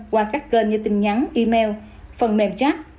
qua các kênh như tin nhắn email phần mềm chat